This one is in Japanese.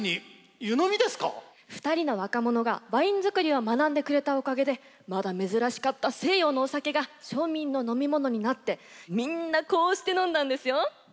２人の若者がワインづくりを学んでくれたおかげでまだ珍しかった西洋のお酒が庶民の飲み物になってみんなこうして飲んだんですよ。